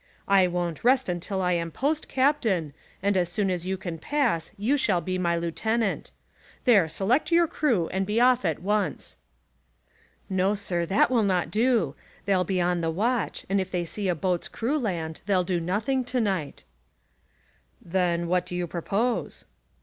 I won't rest till I am post captain, and as soon as you can pass, you shall be my lieutenant. There, select your crew and be off at once." "No, sir; that will not do. They'll be on the watch, and if they see a boat's crew land, they'll do nothing to night." "Then what do you propose?"